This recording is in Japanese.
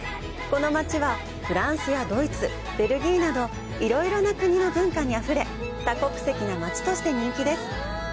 この街はフランスやドイツベルギーなどいろいろな国の文化にあふれ多国籍な街として人気です。